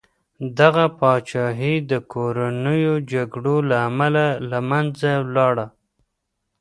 دغه پاچاهي د کورنیو جګړو له امله له منځه لاړه.